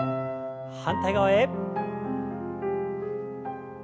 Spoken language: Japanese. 反対側へ。